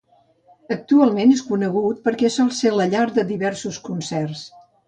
Actualment és conegut perquè sol ser llar de diversos concerts.